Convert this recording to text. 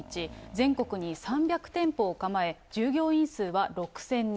全国に３００店舗を構え、従業員数は６０００人。